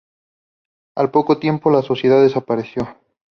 Al poco tiempo, la sociedad desapareció.